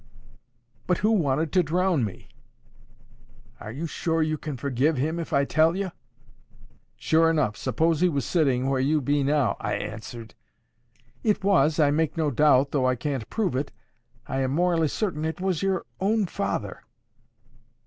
'—'But who wanted to drown me?' 'Are you sure you can forgive him, if I tell you?'—'Sure enough, suppose he was sitting where you be now,' I answered. 'It was, I make no doubt, though I can't prove it,—I am morally certain it was your own father.